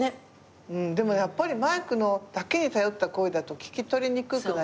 でもやっぱりマイクのだけに頼った声だと聞き取りにくくなりますね。